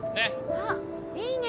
あっいいね！